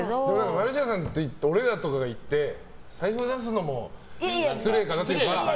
マルシアさんの時って俺らとかがいって財布、出すのも失礼かなとか。